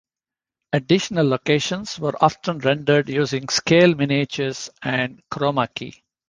Additional locations were often rendered using scale miniatures and chroma key.